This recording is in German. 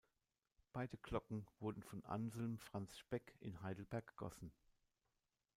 Beide Glocken wurden von Anselm Franz Speck in Heidelberg gegossen.